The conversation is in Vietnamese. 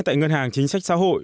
tại ngân hàng chính sách xã hội